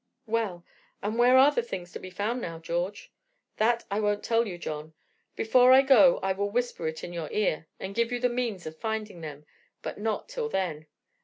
"Well, and where are the things to be found now, George?" "That I won't tell you, John. Before I go I will whisper it in your ear, and give you the means of finding them, but not till then.